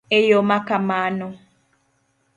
E yo ma kamano